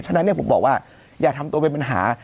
ฉะนั้นผมบอกว่าอย่าทำตัวเป็นปัญหา